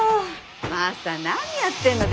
マサ何やってんの？